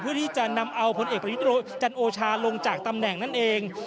เพื่อที่จะนำเอาผลเอกประยุทธ์จันโอชาลงจากตำแหน่งนั่นเอง